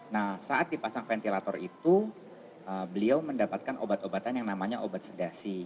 nah saat dipasang ventilator itu beliau mendapatkan obat obatan yang namanya obat sedasi